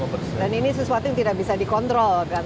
dan ini sesuatu yang tidak bisa dikontrol kan